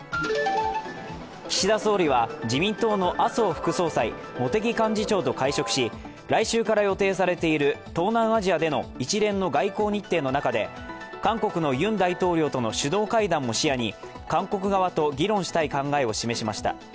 岸田総理は自民党の麻生副総裁、茂木幹事長と会食し、来週から予定されている東南アジアでの一連の外交日程の中で韓国のユン大統領との首脳会談も視野に韓国側と議論したい考えを示しました。